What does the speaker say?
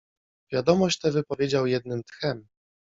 "Wiadomość tę wypowiedział jednym tchem."